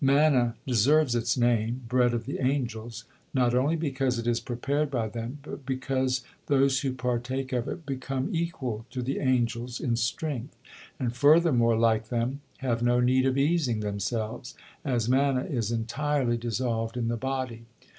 Manna deserves its name, "bread of the angels," not only because it is prepared by them, but because those who partake of it become equal to the angels in strength, and, furthermore, like them, have no need of easing themselves, as manna is entirely dissolved in the body.